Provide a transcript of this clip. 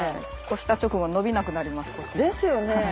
漉した直後伸びなくなります腰。ですよね。